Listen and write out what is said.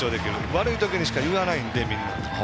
悪い時にしか言わないのでみんな。